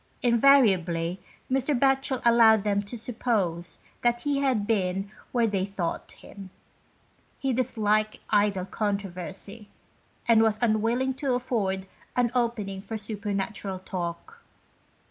Invariably Mr. Batchel allowed them to suppose that he had been where they thought him. He disliked idle controversy, and was unwilling to afford an opening for super natural talk.